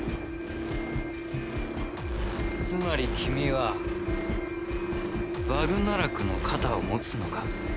つまり君はバグナラクの肩を持つのか？